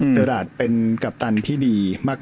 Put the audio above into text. ตลาดเป็นกัปตันที่ดีมาก